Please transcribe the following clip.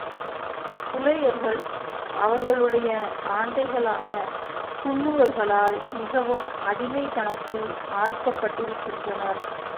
புலையர்கள், அவர்களுடைய ஆண்டை களான குன்னுவர்களால் மிகவும் அடிமைத்தனத்தில் ஆழ்த்தப்பட்டிருக்கின்றனர்.